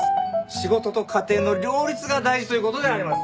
仕事と家庭の両立が大事という事であります。